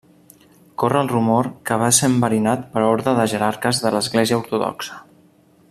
Corre el rumor que va ser enverinat per ordre de jerarques de l'Església ortodoxa.